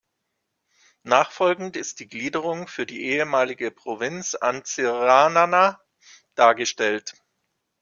Nachfolgend ist die Gliederung für die ehemalige Provinz Antsiranana dargestellt.